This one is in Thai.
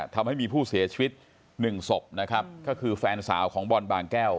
ทำให้มีผู้เสียชีวิตหนึ่งศพนะครับก็คือแฟนสาวของบอลบางแก้ว